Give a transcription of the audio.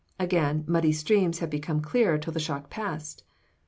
Again, muddy streams have become clear till the shock passed.